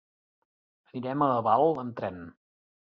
Anirem a Albal amb tren.